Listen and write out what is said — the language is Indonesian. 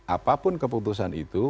apapun keputusan itu